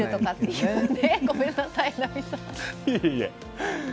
いえいえ。